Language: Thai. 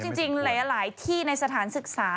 จริงหลายที่ในสถานศึกษา